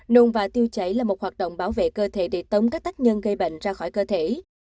nồn và tiêu chảy là một hoạt động bảo vệ cơ thể để tống các tác nhân gây bệnh ra khỏi cơ thể